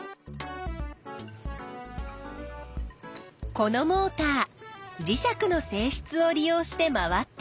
このモーター磁石のせいしつを利用して回ってる。